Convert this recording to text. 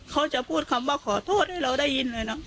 เขาจะพูดคำว่าขอโทษให้เราได้ยินเลยนะ